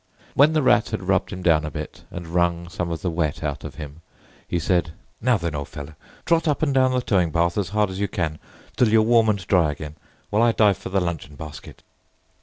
When the Rat had rubbed him down a bit, and wrung some of the wet out of him, he said, "Now, then, old fellow! Trot up and down the towing path as hard as you can, till you're warm and dry again, while I dive for the luncheon basket."